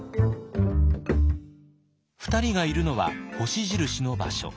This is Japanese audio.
２人がいるのは星印の場所。